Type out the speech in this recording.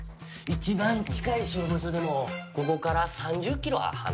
一番近い消防署でもここから３０キロは離れとるで。